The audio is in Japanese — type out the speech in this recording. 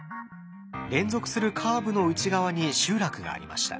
連続するカーブの内側に集落がありました。